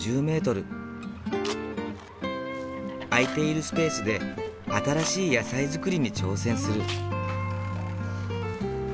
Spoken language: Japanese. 空いているスペースで新しい野菜作りに挑戦する。